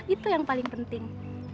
itu yang penting